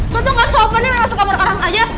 kau tuh gak sopan nih masuk kamar orang aja